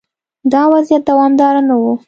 دا وضعیت دوامدار نه و.